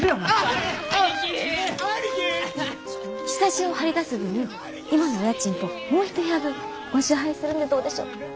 庇を張り出す分今のお家賃ともう一部屋分お支払いするんでどうでしょう？